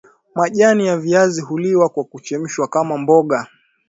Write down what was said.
Majani ya viazi huliwa kwa kuchemshwa kama mboga